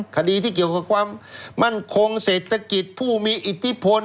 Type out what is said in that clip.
คดีที่เกี่ยวกับความมั่นคงเศรษฐกิจผู้มีอิทธิพล